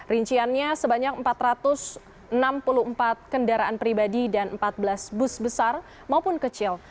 rinciannya sebanyak empat ratus enam puluh empat kendaraan pribadi dan empat belas bus besar maupun kecil